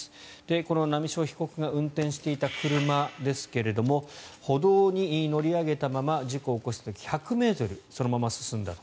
この波汐被告が運転していた車ですが歩道に乗り上げたまま事故を起こした時、１００ｍそのまま進んだと。